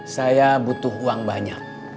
saya butuh uang banyak